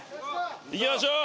行きましょう。